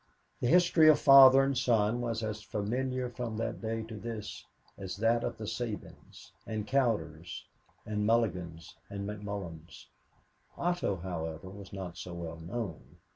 The history of father and son was as familiar from that day to this as that of the Sabins, and Cowders and Mulligans and McCullons. Otto, however, was not so well known.